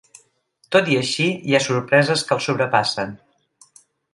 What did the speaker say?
Tot i així, hi ha sorpreses que el sobrepassen.